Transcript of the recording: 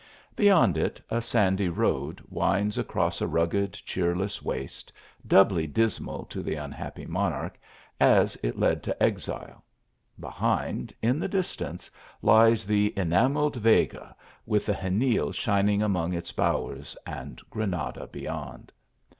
Beyond it a sandy road winds across a rugged cheei less waste, doubly dismal to the unhappy monarch, as it led to exile ; behind, in the distance, lies the "enamelled Vega," with the Xenil shining among its bowers, and Granada beyond.